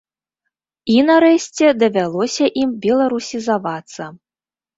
І, нарэшце, давялося ім беларусізавацца.